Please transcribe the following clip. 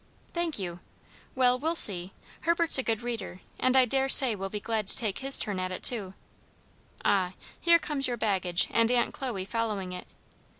"Thank you; well, we'll see. Herbert's a good reader, and I daresay will be glad to take his turn at it too. Ah, here comes your baggage and Aunt Chloe following it.